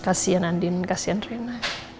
kasian andin kasian rena